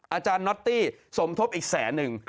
อาจารย์น็อตตี้สมทบอีกแสนนึง